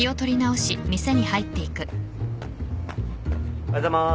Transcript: ・おはようございます。